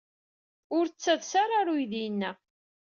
Ur ttades ara ɣer uydi-inna.